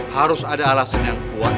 harus ada alasan yang kuat